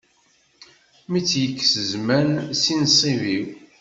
Mi tt-yekkes zzman si nṣib-iw.